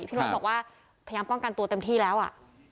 โน๊ตบอกว่าพยายามป้องกันตัวเต็มที่แล้วอ่ะ